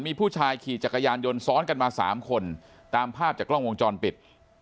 มีผู้ชายขี่จักรยานยนต์ซ้อนกันมา๓คนตามภาพจากกล้องวงจรปิด